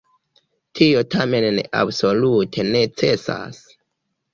Tio tamen ne absolute necesas.